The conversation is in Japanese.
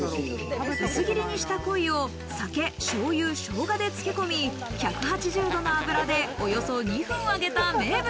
薄切りにした鯉を酒、醤油、生姜でつけ込み、１８０度の油でおよそ２分揚げた名物。